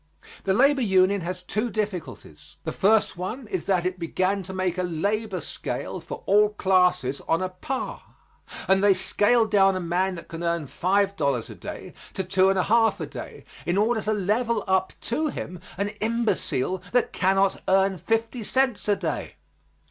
The labor union has two difficulties; the first one is that it began to make a labor scale for all classes on a par, and they scale down a man that can earn five dollars a day to two and a half a day, in order to level up to him an imbecile that cannot earn fifty cents a day.